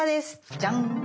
じゃん。